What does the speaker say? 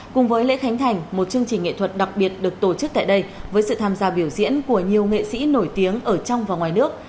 cùng với lễ khánh thành một chương trình nghệ thuật đặc biệt được tổ chức tại đây với sự tham gia biểu diễn của nhiều nghệ sĩ nổi tiếng ở trong và ngoài nước